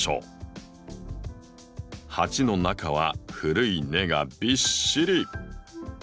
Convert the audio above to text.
鉢の中は古い根がびっしり！